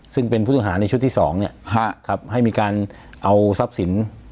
ซึ่งเป็นผู้ต้องหาในชุดที่๒ให้มีการเอาทรัพย์สิน